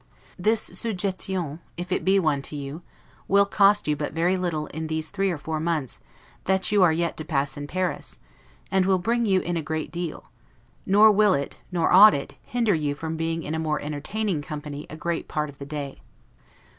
This 'sujetion', if it be one to you, will cost you but very little in these three or four months that you are yet to pass in Paris, and will bring you in a great deal; nor will it, nor ought it, to hinder you from being in a more entertaining company a great part of the day.